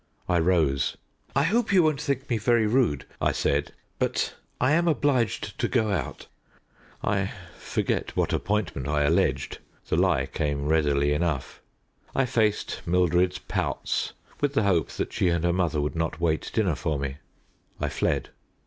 I rose. "I hope you won't think me very rude," I said; "but I am obliged to go out." I forget what appointment I alleged. The lie came readily enough. I faced Mildred's pouts with the hope that she and her mother would not wait dinner for me. I fled.